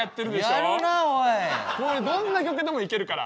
これどんな曲でもいけるから。